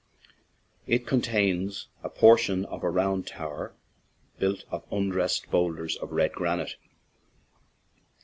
It contains a portion of a round tower, built of undressed boulders of red granite.